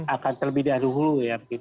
akan terlebih dahulu ya